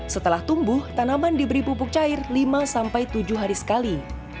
setelah tumbuh tanaman diberi pupuk cair lima sampai tujuh hari sekali